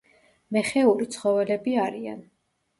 მეხეური ცხოველები არიან.